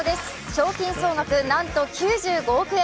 賞金総額なんと９５億円。